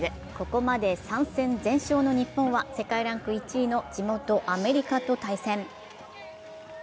ここまで３戦全勝の日本は世界ランク１位の地元・アメリカと対戦。